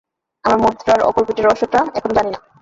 আমরা মুদ্রার অপর পিঠের রহস্যটা এখনও জানি না!